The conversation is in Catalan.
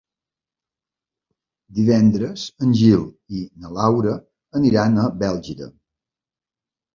Divendres en Gil i na Laura aniran a Bèlgida.